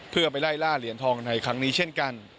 เพื่อไปไล่ล่าเหรียญทองในครั้งนี้เช่นกัน